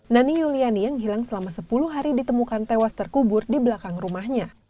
nani yuliani yang hilang selama sepuluh hari ditemukan tewas terkubur di belakang rumahnya